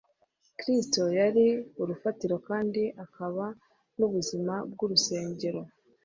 Kristo yari urufatiro kandi akaba n'ubuzima bw'urusengero,